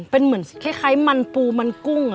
เป็นเหมือนคล้ายมันปูมันกุ้ง